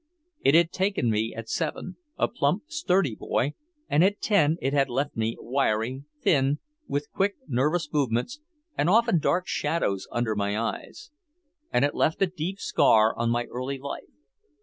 It had taken me at seven, a plump sturdy little boy, and at ten it had left me wiry, thin, with quick, nervous movements and often dark shadows under my eyes. And it left a deep scar on my early life.